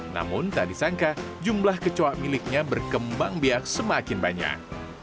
namun tak disangka jumlah kecoa miliknya berkembang biak semakin banyak